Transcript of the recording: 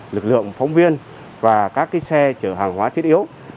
lực lượng phóng viên và các xe chở hàng hóa thiết yếu